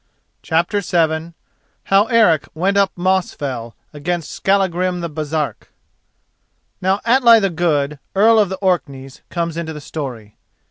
CHAPTER VII HOW ERIC WENT UP MOSFELL AGAINST SKALLAGRIM THE BARESARK Now Atli the Good, earl of the Orkneys, comes into the story.